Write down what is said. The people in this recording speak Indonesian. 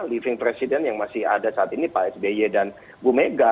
living president yang masih ada saat ini pak sby dan bu mega